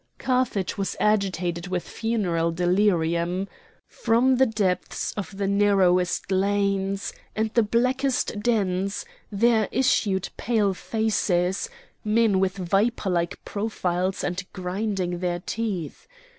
Carthage was agitated with funereal delirium. From the depths of the narrowest lanes, and the blackest dens, there issued pale faces, men with viper like profiles and grinding their teeth.